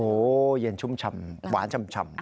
โอ้โหเย็นชุ่มฉ่ำหวานชำ